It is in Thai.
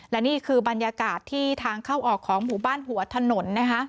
และนี่คือบรรยากาศที่ทางเข้าออกของหมู่บ้านหัวถนนนะคะ